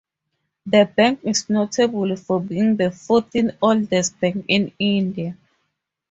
The bank is notable for being the fourteenth oldest bank in India.